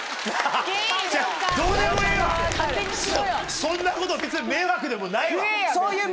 そんなこと別に迷惑でもないわ。